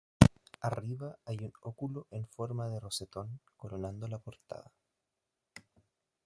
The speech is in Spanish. Arriba hay un óculo en forma de rosetón coronando la portada.